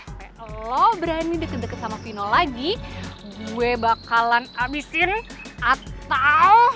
sampai lo berani deket deket sama vino lagi gue bakalan abisin atau